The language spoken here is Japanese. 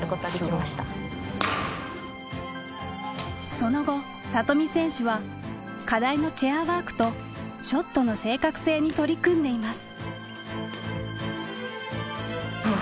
その後里見選手は課題のチェアワークとショットの正確性に取り組んでいます。